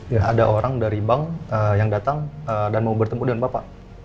ya ada orang dari bank yang datang dan mau bertemu dengan bapak